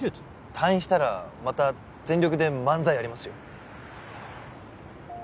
退院したらまた全力で漫才やりますよ。